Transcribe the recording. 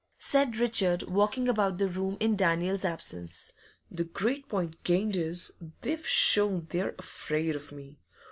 said Richard, walking about the room in Daniel's absence. 'The great point gained is, they've shown they're afraid of me.